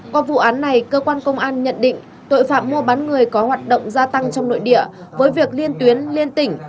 qua vụ án này cơ quan công an nhận định tội phạm mua bán người có hoạt động gia tăng trong nội địa với việc liên tuyến liên tỉnh